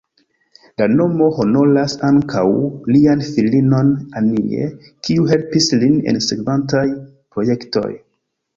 La nomo honoras ankaŭ lian filinon "Annie", kiu helpis lin en sekvantaj projektoj.